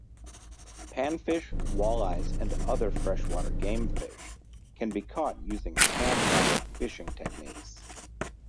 Panfish, walleyes, and other freshwater game fish can be caught using handlining fishing techniques.